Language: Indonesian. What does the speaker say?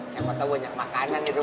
siapa tahu banyak makanan gitu